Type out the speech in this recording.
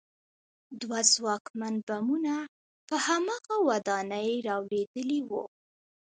دوه ځواکمن بمونه په هماغه ودانۍ رالوېدلي وو